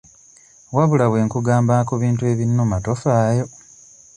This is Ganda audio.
Wabula bwe nkugamba ku bintu ebinnuma tofaayo.